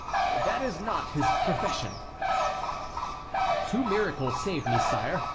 "That is not his profession." "Two miracles saved me, sire.